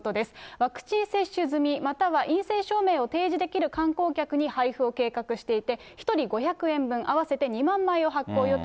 ワクチン接種済み、または陰性証明を提示できる観光客に配布を計画していて、１人５００円分、合わせて２万枚を発行予定。